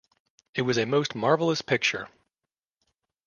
It was a most marvelous picture.